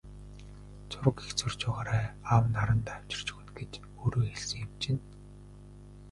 Зураг их зурж байгаарай, аав нь харандаа авчирч өгнө гэж өөрөө хэлсэн юм чинь.